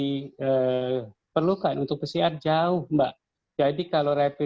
biaya yang diperlukan untuk menghilangkan penggunaan rapi tes adalah tindakan yang tidak adil